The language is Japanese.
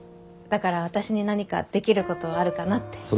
だから私に何かできることはあるかなって。